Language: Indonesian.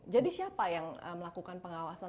jadi siapa yang melakukan pengawasan